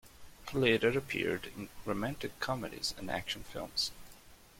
He later appeared in romantic comedies and action films.